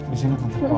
di sini tante